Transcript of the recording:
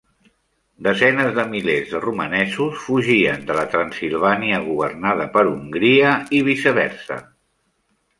Desenes de milers de romanesos fugien de la Transsilvània governada per Hongria i viceversa.